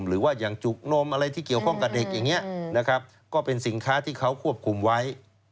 หรือว่าอย่างจุกนมอะไรที่เกี่ยวข้องกับเด็กอย่างนี้นะครับก็เป็นสินค้าที่เขาควบคุมไว้